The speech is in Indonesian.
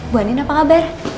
bu andien apa kabar